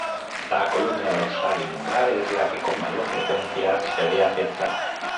La columna dorsal y lumbar es la que con mayor frecuencia se ve afectada.